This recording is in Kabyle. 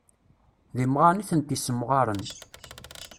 D imɣaren i tent-issemɣaren.